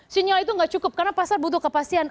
sinyal itu nggak cukup karena pasar butuh kepastian